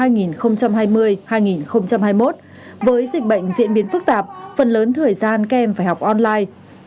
với dịch bệnh diễn biến phức tạp phần lớn thời gian kèm phải học online